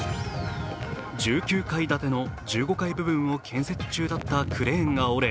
１９階建ての１５階部分を建設中だったクレーンが折れ